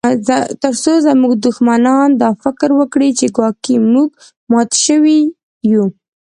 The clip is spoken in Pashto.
ترڅو زموږ دښمنان دا فکر وکړي چې ګواکي موږ مات شوي یو